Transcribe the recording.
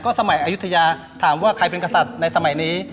สมัยอายุทยาถามว่าใครเป็นกษัตริย์ในสมัยนี้